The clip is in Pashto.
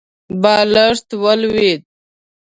بالښت ولوېد.